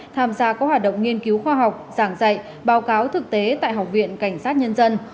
tham gia các hoạt động nghiên cứu khoa học giảng dạy báo cáo thực tế tại học viện cảnh sát nhân dân